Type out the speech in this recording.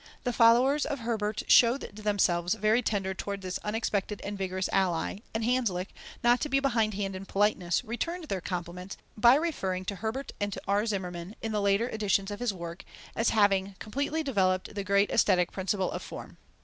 The followers of Herbart showed themselves very tender towards this unexpected and vigorous ally, and Hanslick, not to be behindhand in politeness, returned their compliments, by referring to Herbart and to R. Zimmermann, in the later editions of his work, as having "completely developed the great aesthetic principle of form."